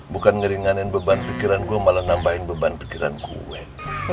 bukan ngeringanin beban pikiran gue malah nambahin beban pikiran gue